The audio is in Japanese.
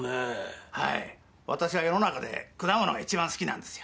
私は世の中で果物が一番好きなんですよ。